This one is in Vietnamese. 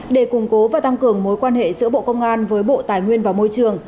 để củng cố và tăng cường mối quan hệ giữa bộ công an với bộ tài nguyên và môi trường